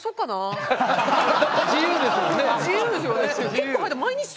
自由ですもんね。